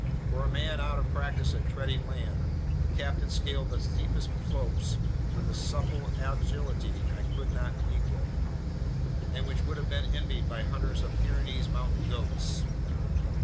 For a man out of practice at treading land, the captain scaled the steepest slopes with a supple agility I couldn't equal, and which would have been envied by hunters of Pyrenees mountain goats.